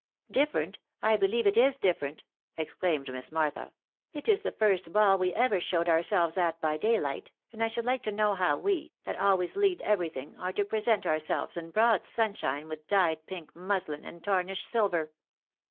" Different I .... I believe it is different !" exclaimed Miss Martha :" it is the first ball we ever showed ourselves at by daylight, and I should like to know how we, that always lead every thing, are to present ourselves in broad sunshine with dyed pink muslin and tarnished silver